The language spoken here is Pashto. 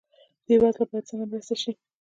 بې وزله باید څنګه مرسته شي؟